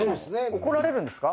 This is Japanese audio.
怒られるんですか？